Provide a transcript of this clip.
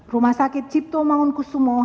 rumah sakit cipto maungkusumo